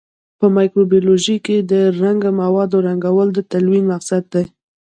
په مایکروبیولوژي کې د رنګه موادو رنګول د تلوین مقصد دی.